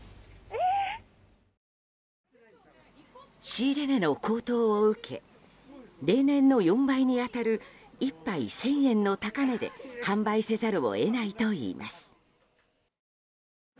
仕入れ値の高騰を受け例年の４倍に当たる１杯１０００円の高値で販売せざるを得ないといいます。